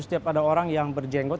setiap ada orang yang berjenggot